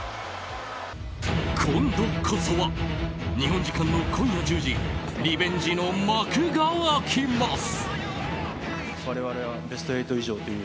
今度こそは日本時間の今夜１０時リベンジの幕が開きます。